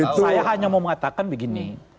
saya hanya mau mengatakan begini